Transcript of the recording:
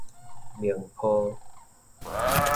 寧波